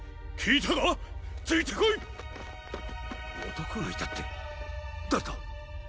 男がいたって誰だ？